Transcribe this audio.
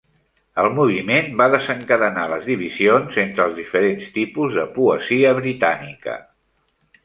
El Moviment va desencadenar les divisions entre els diferents tipus de poesia britànica.